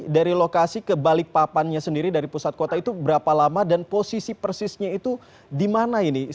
dari lokasi ke balikpapannya sendiri dari pusat kota itu berapa lama dan posisi persisnya itu di mana ini